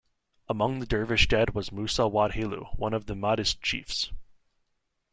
Among the Dervish dead was Musa wad Helu, one of the Mahdist chiefs.